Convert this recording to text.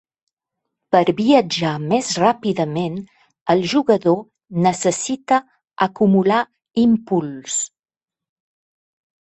Per viatjar més ràpidament, el jugador necessita acumular impuls.